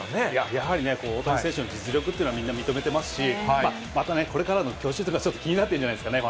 やはり大谷選手の実力というのはみんな認めてますし、またね、これからの去就というのが気になってるんじゃないですかね。